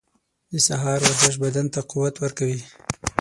• د سهار ورزش بدن ته قوت ورکوي.